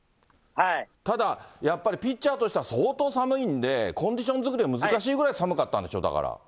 ただ、やっぱりピッチャーとしては相当寒いんで、コンディション作りが難しいぐらい寒かったんでしょ、だから。